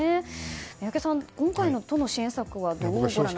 宮家さん、今回の都の支援策はどう見ますか？